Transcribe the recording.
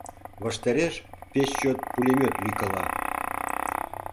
Ваштареш пеш чот пулемёт лӱйкала.